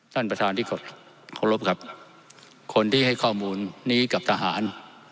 ท่านประธานที่ขอรบครับคนที่ให้ข้อมูลนี้กับทหาร